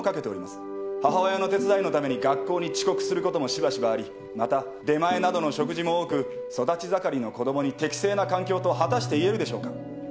母親の手伝いのために学校に遅刻することもしばしばありまた出前などの食事も多く育ち盛りの子供に適正な環境と果たして言えるでしょうか？